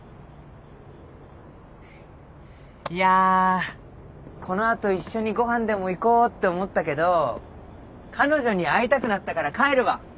いやこの後一緒にご飯でも行こうって思ったけど彼女に会いたくなったから帰るわ。